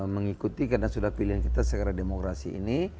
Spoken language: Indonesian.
mengikuti karena sudah pilihan kita secara demokrasi ini